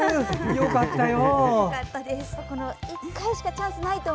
よかったよ。